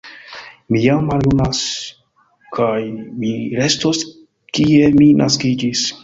Mi jam maljunas, kaj mi restos kie mi naskiĝis.